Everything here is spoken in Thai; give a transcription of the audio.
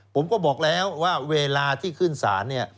ผมก็บอกแล้วว่าเวลาที่ขึ้นศาลเนี่ย